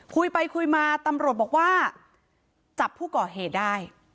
คุยไปคุยมาตำรวจบอกว่าจับผู้ก่อเหตุได้